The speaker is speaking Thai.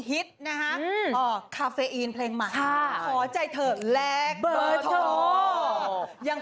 ยิงลีจริง